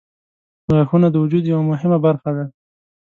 • غاښونه د وجود یوه مهمه برخه ده.